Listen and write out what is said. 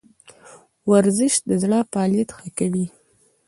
ورزش د زړه فعالیت ښه کوي